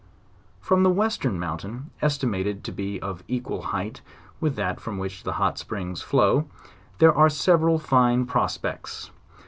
From the western mountain, estimated to be of equal height with that from which the hot springs flow, there are several fine prospects.